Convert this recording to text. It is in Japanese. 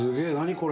これ！